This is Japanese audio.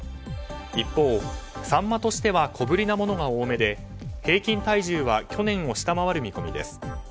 一方、サンマとしては小ぶりなものが多めで平均体重は去年を下回る見込みです。